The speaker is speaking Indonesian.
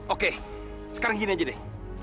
oke sekarang gini aja deh